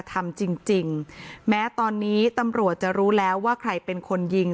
ทำจริงจริงแม้ตอนนี้ตำรวจจะรู้แล้วว่าใครเป็นคนยิง